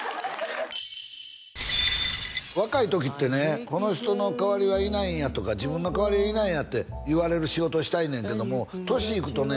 若い時ってねこの人の代わりはいないんやとか自分の代わりはいないんやって言われる仕事したいねんけども歳いくとね